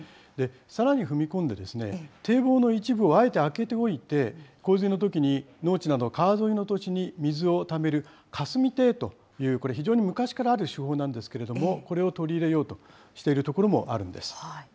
さらに踏み込んで、堤防の一部をあえて開けておいて、洪水のときに農地など川沿いの土地に水をためる霞提という、これ、非常に昔からある手法なんですけれども、これを取り入れようとしている所もあるんです。